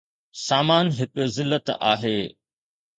سامان هڪ ذلت آهي